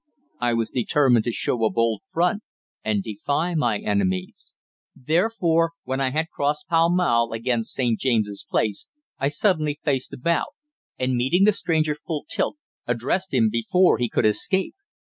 I was determined to show a bold front and defy my enemies; therefore, when I had crossed Pall Mall against St. James's Palace, I suddenly faced about, and, meeting the stranger full tilt, addressed him before he could escape.